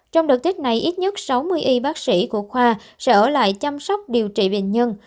trong đợt tết này ít nhất sáu mươi y bác sĩ của khoa sẽ ở lại chăm sóc điều trị bệnh nhân